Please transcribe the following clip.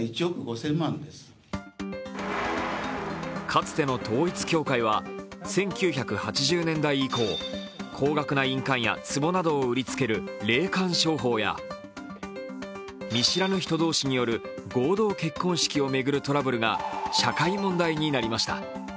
かつての統一教会は１９８０年代以降、高額な印鑑やつぼなどを売りつける霊感商法や見知らぬ人同士による合同結婚式を巡るトラブルが社会問題になりました。